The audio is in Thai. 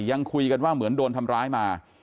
ยังคุยกันว่าเหมือนโดนทำร้ายมา